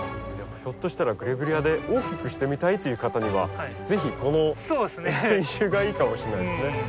ひょっとしたらグレビレアで大きくしてみたいっていう方には是非この品種がいいかもしれないですね。